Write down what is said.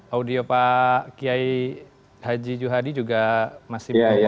audio pak kiai haji juhadi juga masih berada